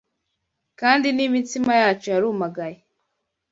kandi n’imitsima yacu yarumagaye.’